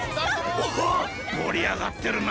おおっもりあがってるな！